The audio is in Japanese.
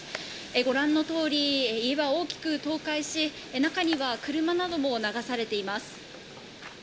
ご覧のとおり、家は大きく倒壊し、中には車なども流されています。